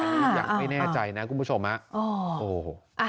อันนี้อย่างไม่แน่ใจนะคุณผู้ชมนะ